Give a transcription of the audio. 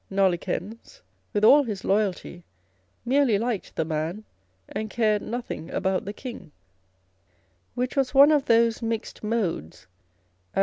Nollekens, with all his loyalty, merely liked the man, and cared nothing about the King (which was one of those mixed 120 On the Old Age of Artists.